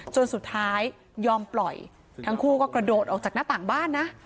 จนสุดท้ายยอมปล่อยทั้งคู่ก็กระโดดออกจากหน้าต่างบ้านนะ